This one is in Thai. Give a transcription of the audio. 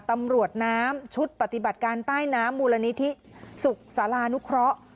ตำรวจน้ำชุดปฏิบัติการใต้น้ำมูลนิธิสุขศาลานุเคราะห์